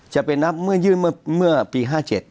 จะไปนับเมื่อยื่นเมื่อปี๕๗